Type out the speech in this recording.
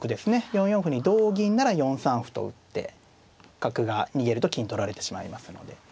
４四歩に同銀なら４三歩と打って角が逃げると金取られてしまいますので。